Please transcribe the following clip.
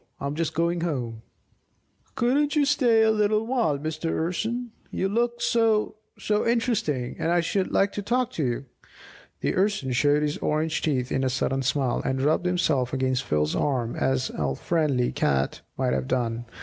I'm just going home." "Couldn't you stay a little while, Mr. Urson? You look so so interesting, and I should like to talk to you!" The Urson showed his orange teeth in a sudden smile, and rubbed himself against Phil's arm as al friendly cat might have done.